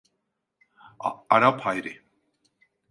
Arap Hayri.